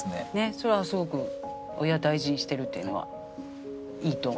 それはすごく親大事にしてるっていうのはいいと思う。